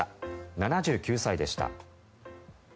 ７９歳でした。